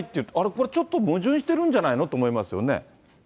これちょっと矛盾してるんじゃないのって思いますよね。